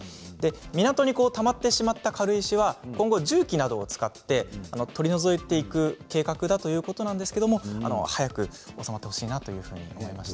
港にたまってしまった軽石は今後重機などを使って取り除いていく計画だということなんですけれども早く収まってほしいなと思いました。